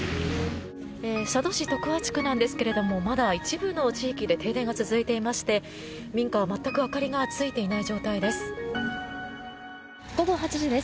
佐渡市徳和地区なんですがまだ一部の地域で停電が続いていまして民家は全く明かりがついていない状態です。